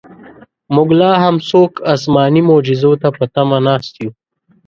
موږ لاهم څوک اسماني معجزو ته په تمه ناست یو.